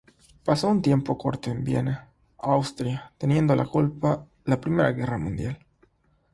Pasó un tiempo corto en Viena, Austria teniendo la culpa la Primera Guerra Mundial.